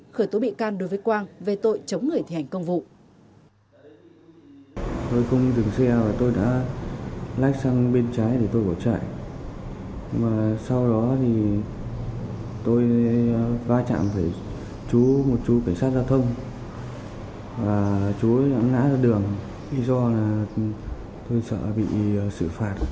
khởi tố bị can đối với quang về tội chống người thi hành công vụ